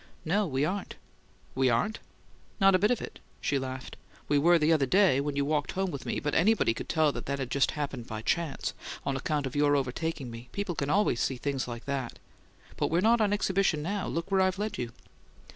"No; we aren't." "We aren't?" "Not a bit of it!" she laughed. "We were the other day, when you walked home with me, but anybody could tell that had just happened by chance, on account of your overtaking me; people can always see things like that. But we're not on exhibition now. Look where I've led you!"